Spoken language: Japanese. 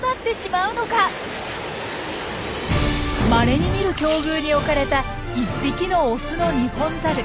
まれに見る境遇に置かれた１匹のオスのニホンザル。